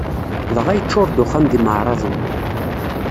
Dɣa yeččuṛ-d uxxam d imeɛraḍen.